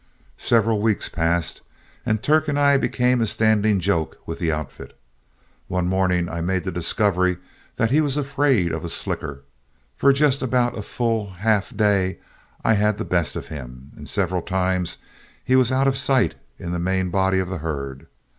"Several weeks passed, and Turk and I became a standing joke with the outfit. One morning I made the discovery that he was afraid of a slicker. For just about a full half day, I had the best of him, and several times he was out of sight in the main body of the herd.